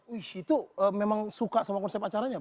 wish itu memang suka sama konsep acaranya